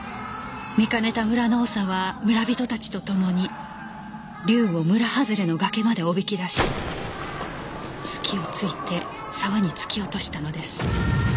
見かねた村の長は村人たちとともに竜を村はずれの崖までおびき出し隙をついて沢に突き落としたのです